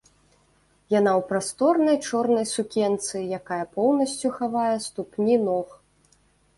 Яна ў прасторнай чорнай сукенцы, якая поўнасцю хавае ступні ног.